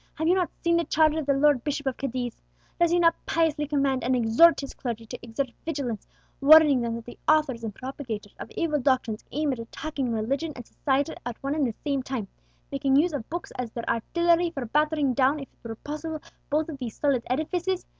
"Have you not seen the charge of the Lord Bishop of Cadiz? Does he not piously command and exhort his clergy to exert vigilance, warning them that 'the authors and propagators of evil doctrines aim at attacking religion and society at one and the same time, making use of books as their artillery for battering down, if it were possible, both of these solid edifices'?